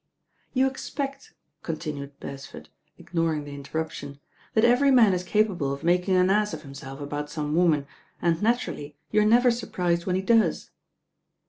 "You expect," continued Beresford, Ignoring the interruption, "that every man is capable of making an ass of himself about some woman and, naturally, you are never surprised when he does."